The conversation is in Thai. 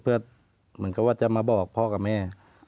เพื่อเหมือนกับว่าจะมาบอกพ่อกับแม่